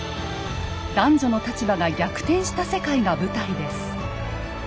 男女の立場が逆転した世界が舞台です。